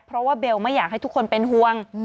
เพราะว่าเบลไม่อยากให้ทุกคนเป็นห่วง